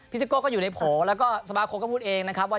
ซิโก้ก็อยู่ในโผล่แล้วก็สมาคมก็พูดเองนะครับว่า